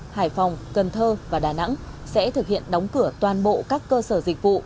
hải phòng cần thơ và đà nẵng sẽ thực hiện đóng cửa toàn bộ các cơ sở dịch vụ